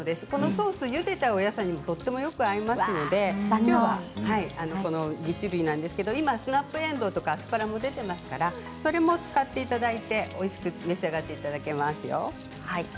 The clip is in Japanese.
ソース、ゆでたお野菜にとてもよく合いますのでこの２種類ですがスナップえんどうとかアスパラも出ていますからそれを使っていただいてもおいしく召し上がっていただけますよ。